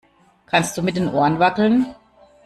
Kannst du mit den Ohren wackeln?